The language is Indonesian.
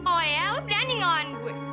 oh ya lo berani ngawain gue